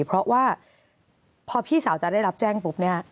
เพราะว่าพอผู้หญิงจะได้รับแจ้งปุ๊บนี่